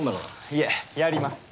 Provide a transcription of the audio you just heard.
いえやります。